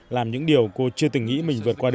làm những điều cô chưa từng nghĩ mình vượt qua được